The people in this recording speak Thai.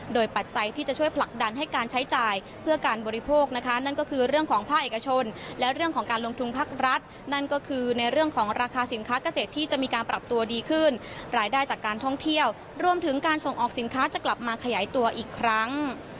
โดยปัจจัยที่จะช่วยผลักดันให้การใช้จ่ายเพื่อการบริโภคนะคะนั่นก็คือเรื่องของภาคเอกชนและเรื่องของการลงทุนภาครัฐนั่นก็คือในเรื่องของราคาสินค้าเกษตรที่จะมีการปรับตัวดีขึ้นรายได้จากการท่องเที่ยวรวมถึงการส่งออกสินค้าจะกลับมาขยายตัวอีกครั้ง